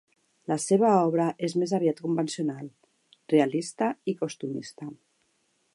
La seva obra és més aviat convencional, realista i costumista.